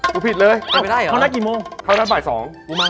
คุณเนี่ยขี้ถึงบ่ายสองขึ้น